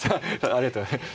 ありがとうございます。